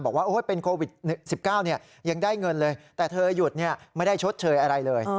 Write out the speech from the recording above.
บอกว่าเป็นโควิด๑๙ยังได้เงินเลยแต่เธอหยุดไม่ได้ชดเชยอะไรเลย